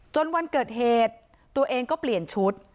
วันเกิดเหตุตัวเองก็เปลี่ยนชุด